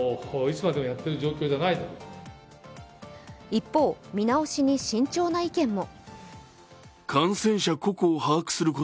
一方、見直しに慎重な意見も。